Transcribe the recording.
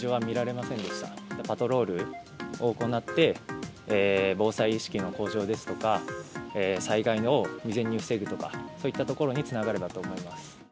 やっぱパトロールを行って、防災意識の向上ですとか、災害を未然に防ぐとか、そういったところにつながればと思います。